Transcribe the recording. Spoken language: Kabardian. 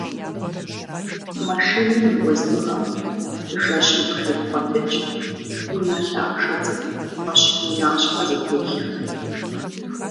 Машинэм и уэздыгъэм жэщым къыхепхъуэтыкӏ унэ лъахъшэ цӏыкӏу кхъуэщын унащхьэ зытелъхэр.